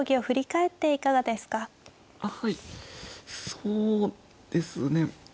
そうですね。